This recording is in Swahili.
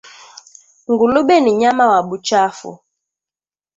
Ngulube ni nyama wa buchafu